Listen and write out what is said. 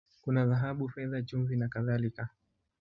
Kuna dhahabu, fedha, chumvi, na kadhalika.